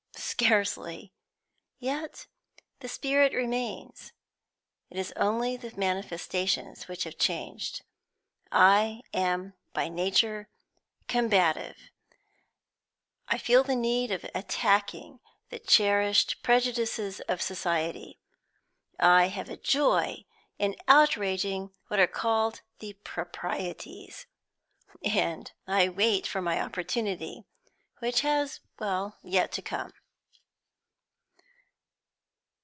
Scarcely: yet the spirit remains, it is only the manifestations which have changed. I am by nature combative; I feel the need of attacking the cherished prejudices of society; I have a joy in outraging what are called the proprieties. And I wait for my opportunity, which has yet to come."